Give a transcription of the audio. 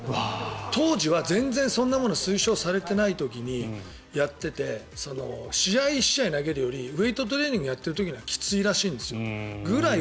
当時は全然そんなものが推奨されていない時にやっていて１試合投げるよりウェートトレーニングやっているほうがきついらしいんです。